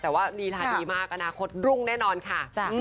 แต่ว่าลีลาดีมากอนาคตรุ่งแน่นอนค่ะ